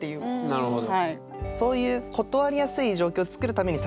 なるほど。